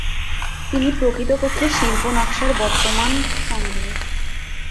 এটি প্রকৃতপক্ষে শিল্প নকশার বৃহত্তম সংগ্রহ।